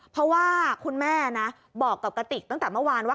เพราะว่าคุณแม่นะบอกกับกติกตั้งแต่เมื่อวานว่า